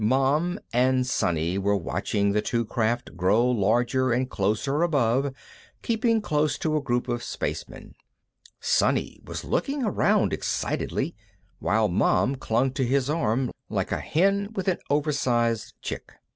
Mom and Sonny were watching the two craft grow larger and closer above, keeping close to a group of spacemen; Sonny was looking around excitedly, while Mom clung to his arm, like a hen with an oversized chick.